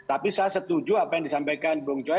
tapi saya setuju apa yang disampaikan bung joy